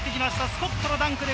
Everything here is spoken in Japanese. スコット、ダンクだ！